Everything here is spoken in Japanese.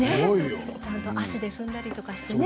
ちゃんと足で踏んだりして。